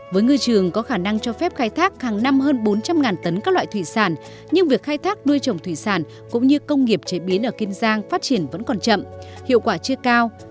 với ngư trường có khả năng cho phép khai thác hàng năm hơn bốn trăm linh tấn các loại thủy sản nhưng việc khai thác nuôi trồng thủy sản cũng như công nghiệp chế biến ở kiên giang phát triển vẫn còn chậm hiệu quả chưa cao